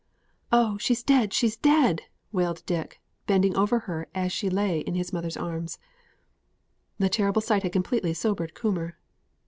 "Oh, she's dead! she's dead!" wailed Dick, bending over her as she lay in his mother's arms. The terrible sight had completely sobered Coomber.